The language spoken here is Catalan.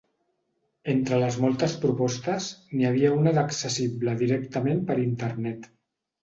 Entre les moltes propostes, n’hi havia una d’accessible directament per internet.